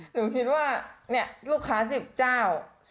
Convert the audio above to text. หนูคิดว่าเนี่ยลูกค้า๑๐จ้าว